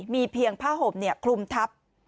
มีเพียงผ้าห่มเนี่ยคลุมทัพ